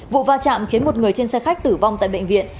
vụ va chạm khiến một người trên xe khách tử vong tại bệnh viện